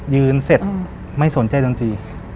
ยืนเสร็จไม่สนใจดังตรี